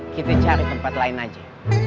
kita cari tempat lain aja